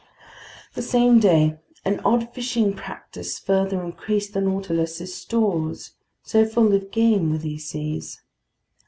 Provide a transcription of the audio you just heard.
The same day an odd fishing practice further increased the Nautilus's stores, so full of game were these seas.